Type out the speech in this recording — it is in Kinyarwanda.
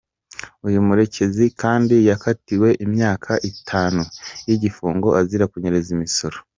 Uyu Murekezi kandi yakatiwe imyaka itanu y’ igifungo azira kunyereza imisoro.